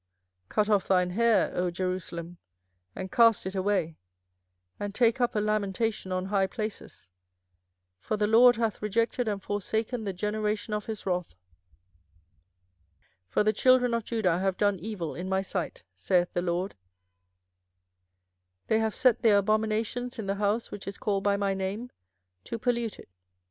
24:007:029 Cut off thine hair, O Jerusalem, and cast it away, and take up a lamentation on high places; for the LORD hath rejected and forsaken the generation of his wrath. 24:007:030 For the children of Judah have done evil in my sight, saith the LORD: they have set their abominations in the house which is called by my name, to pollute it.